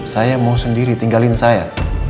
saya mau sendiri tinggalin saya